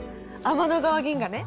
天の川銀河ね。